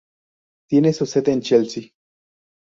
Tiene su sede en Chelsea.